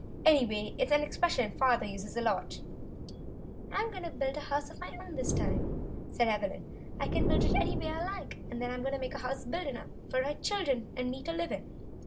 Anyway, it's an expression father uses a lot." "I'm going to build a house of my own this time," said Evelyn. "I can build it any way I like, then. I'm going to make a house big enough for my chil dren and me to Hve in.